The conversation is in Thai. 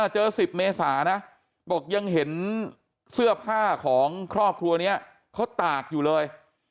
๑๐เมษานะบอกยังเห็นเสื้อผ้าของครอบครัวนี้เขาตากอยู่เลย